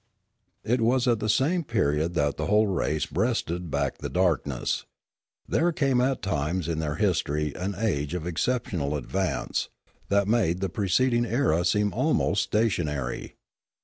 It was at the same period that the whole race breasted back the darkness. There came at times in their his tory an age of exceptional advance, that made the pre ceding era seem almost stationary.